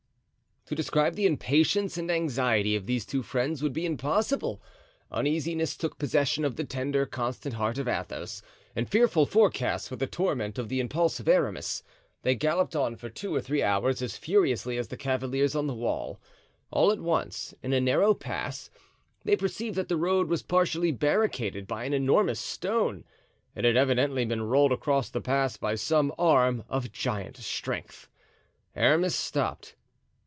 To describe the impatience and anxiety of these two friends would be impossible. Uneasiness took possession of the tender, constant heart of Athos, and fearful forecasts were the torment of the impulsive Aramis. They galloped on for two or three hours as furiously as the cavaliers on the wall. All at once, in a narrow pass, they perceived that the road was partially barricaded by an enormous stone. It had evidently been rolled across the pass by some arm of giant strength. Aramis stopped.